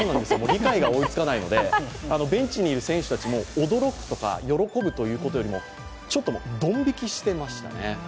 理解が追いつかないのでベンチにいる選手たちも驚くとか喜ぶというよりもちょっとどん引きしていましたね。